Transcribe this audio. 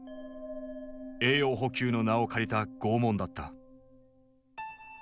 栄養補給の名を借りた拷問だった。